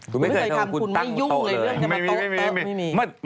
คุณไม่เคยทำคุณไม่ยุ่งอายุเรื่องโต๊ะรูมมือมัธนะ